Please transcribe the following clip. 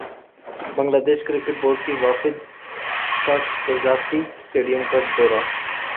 Bangladesh cricket board کے وفد کا قذافی اسٹیڈیم کا دورہ